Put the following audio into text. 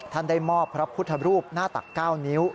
ได้มอบพระพุทธรูปหน้าตัก๙นิ้ว